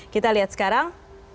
kita lihat sekarang